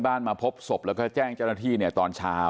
บ้านมาพบศพแล้วก็แจ้งเจ้าหน้าที่ตอนเช้า